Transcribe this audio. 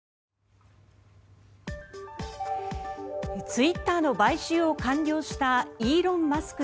ツイッターの買収を完了したイーロン・マスク